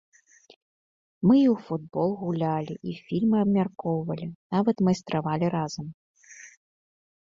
Мы і ў футбол гулялі, і фільмы абмяркоўвалі, нават майстравалі разам.